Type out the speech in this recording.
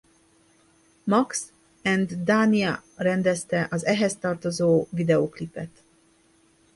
Max and Dania rendezte az ehhez tartozó videóklipet.